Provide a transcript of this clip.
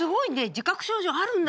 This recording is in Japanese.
自覚症状あるんだ。